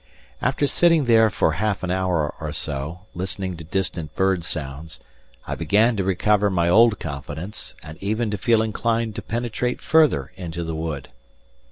After sitting there for half an hour or so, listening to distant bird sounds, I began to recover my old confidence, and even to feel inclined to penetrate further into the wood.